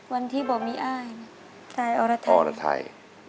วันที่บ่อมีอ้ายใจออรไทย